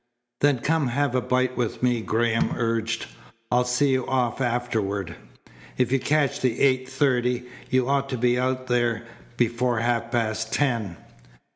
"Then come have a bite with me," Graham urged. "I'll see you off afterward. If you catch the eight thirty you ought to be out there before half past ten."